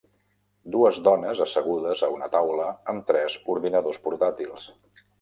Dues dones assegudes a una taula amb tres ordinadors portàtils.